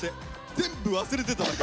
全部忘れてただけ。